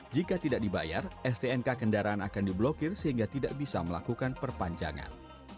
jika tidak dibayar stnk kendaraan akan diblokir sehingga tidak bisa melakukan perpanjangan